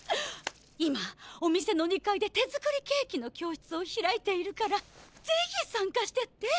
今お店の２階で手作りケーキの教室を開いているからぜひさんかしてって。